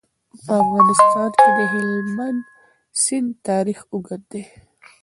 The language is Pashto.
په افغانستان کې د هلمند سیند تاریخ اوږد دی.